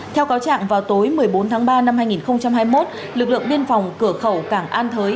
theo cáo trạng vào tối một mươi bốn tháng ba năm hai nghìn hai mươi một lực lượng biên phòng cửa khẩu cảng an thới